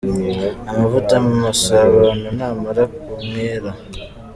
Amavuta masabano ntamara umwera.